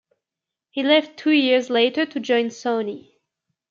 He left two years later to join Sony.